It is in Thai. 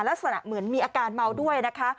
ลักษณะเหมือนมีอาการเมาด้วยนะคะ